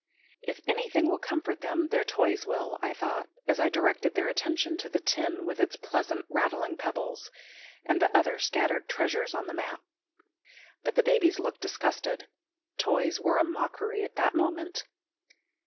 If anything will comfort them, their toys will, I thought, as I directed their attention to the tin with its pleasant rattling pebbles, and the other scattered treasures on the mat. But the babies looked disgusted. Toys were a mockery at that moment.